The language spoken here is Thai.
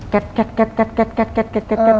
แกะแกะแกะ